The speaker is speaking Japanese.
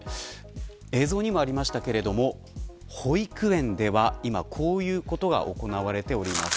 映像にもありましたが保育園では今こういうことが行われています。